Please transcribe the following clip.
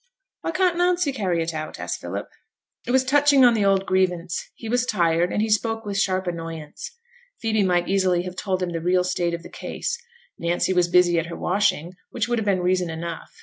'Why can't Nancy carry it out?' asked Philip. It was touching on the old grievance: he was tired, and he spoke with sharp annoyance. Phoebe might easily have told him the real state of the case; Nancy was busy at her washing, which would have been reason enough.